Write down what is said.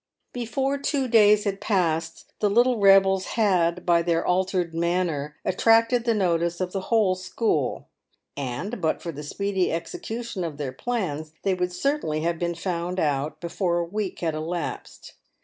Before two days had passed, the little rebels had, by their altered manner, attracted the notice of the whole school, and but for the speedy execution of their plans they would certainly have been found out before a week had elapsed.